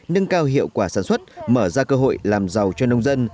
nâng cao hiệu quả sản xuất mở ra cơ hội làm giàu cho nông dân